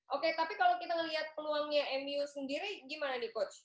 oke tapi kalau kita melihat peluangnya mu sendiri gimana nih coach